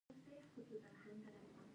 مخزن افغاني د نعمت الله کتاب دﺉ.